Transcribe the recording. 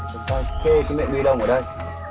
chúng ta kê cái miệng bi đông ở đây